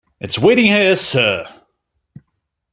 It's waiting here, sir.